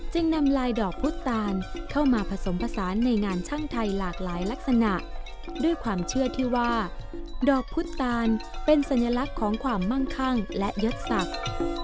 นำลายดอกพุทธตานเข้ามาผสมผสานในงานช่างไทยหลากหลายลักษณะด้วยความเชื่อที่ว่าดอกพุทธตานเป็นสัญลักษณ์ของความมั่งคั่งและยศศักดิ์